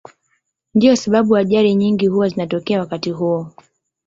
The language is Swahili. Ndiyo sababu ajali nyingi huwa zinatokea wakati huo.